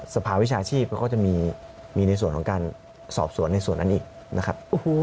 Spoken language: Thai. สภาวิชาชีพก็จะมีในส่วนของการสอบสวนในส่วนนั้นอีกนะครับ